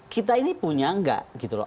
kita ini punya nggak gitu loh